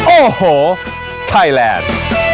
โอ้โหไทยแลนด์